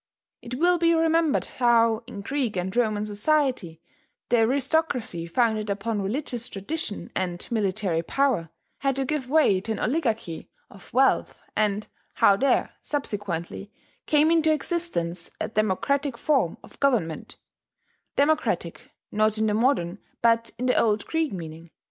It will be remembered how, in Greek and Roman society, the aristocracy founded upon religious tradition and military power had to give way to an oligarchy of wealth, and how there subsequently came into existence a democratic form of government, democratic, not in the modern, but in the old Greek meaning.